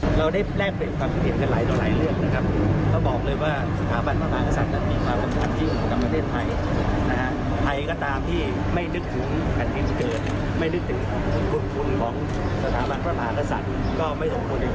สถาบันพระมหากษัตริย์ก็ไม่สมควรอยู่ในประเทศนี้